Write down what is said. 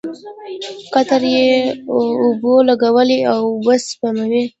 قطره یي اوبولګول اوبه سپموي.